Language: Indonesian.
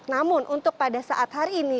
namun untuk pada saat hari ini